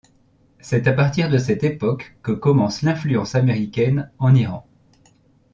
C'est à partir de cette époque que commence l'influence américaine en Iran.